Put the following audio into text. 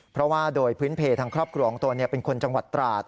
เพราะว่าโดยพื้นเพทางครอบครัวของตนเป็นคนจังหวัดตราด